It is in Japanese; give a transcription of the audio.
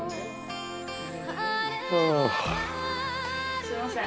すみません。